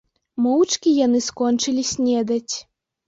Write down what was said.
Моўчкі яны скончылі снедаць.